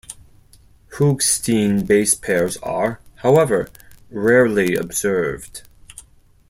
Hoogsteen base pairs are, however, rarely observed.